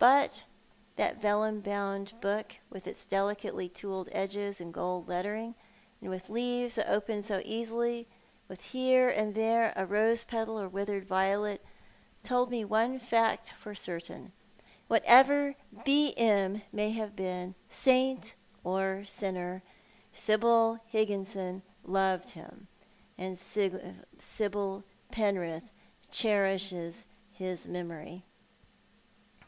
But that vellum bound book, with its delicately tooled edges and gold lettering, and with leaves that opened so easily, with here and there a rose petal or a withered violet, told me one fact for cert lin. ■Whatever "B. M." may have been— saint or sinner— Sibyl Higginson loved him, and Sibyl Penrith cherishes his memory.